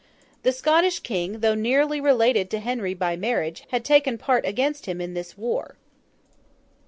The Scottish King, though nearly related to Henry by marriage, had taken part against him in this war.